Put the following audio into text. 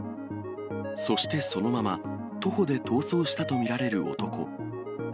そしてそのまま、徒歩で逃走したと見られる男。